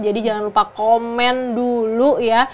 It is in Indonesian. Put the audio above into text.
jadi jangan lupa komen dulu ya